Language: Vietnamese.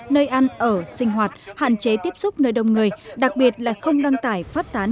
nơi ăn ở sinh hoạt hạn chế tiếp xúc nơi đông người đặc biệt là không đăng tải phát tán